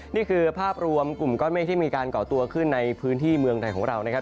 นี่คือภาพรวมกลุ่มก้อนเมฆที่มีการก่อตัวขึ้นในพื้นที่เมืองไทยของเรานะครับ